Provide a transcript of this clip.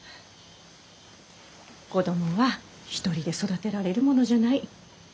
子供は一人で育てられるものじゃない。